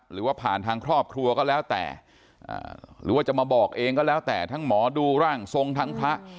หรือว่าผ่านทางครอบครัวก็แล้วแต่หรือว่าจะมาบอกเองก็แล้วแต่ทั้งหมอดูร่างทรงทั้งพระ